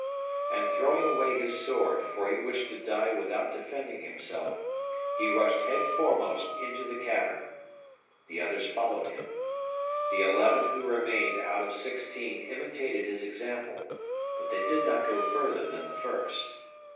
And throwing away his sword, for he wished to die without defending himself, he rushed head foremost into the cavern. The others followed him. The eleven who remained out of sixteen imitated his example; but they did not go further than the first.